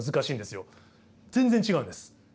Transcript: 全然違うんです。